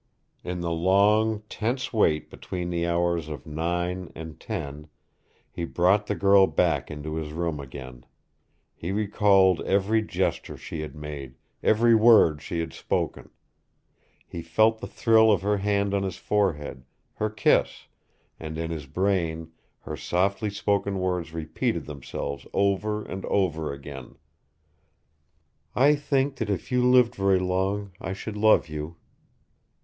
In the long, tense wait between the hours of nine and ten he brought the girl back into his room again. He recalled every gesture she had made, every word she had spoken. He felt the thrill of her hand on his forehead, her kiss, and in his brain her softly spoken words repeated themselves over and over again, "I think that if you lived very long I should love you."